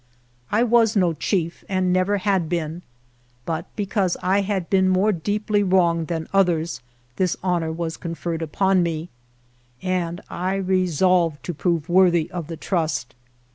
I was no chief and never had been, but because I had been more deeply wronged than others, this honor was conferred upon me, and I resolved to prove worthy of the trust.